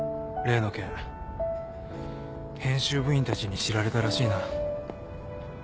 例の件編集部員たちに知られたらしいな。